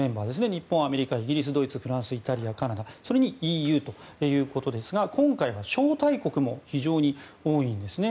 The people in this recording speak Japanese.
日本、アメリカイギリス、ドイツフランス、イタリア、カナダそれにＥＵということですが今回は招待国も非常に多いんですね。